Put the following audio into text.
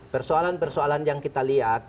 persoalan persoalan yang kita lihat